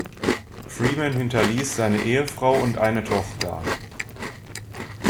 Freeman hinterließ seine Ehefrau und eine Tochter.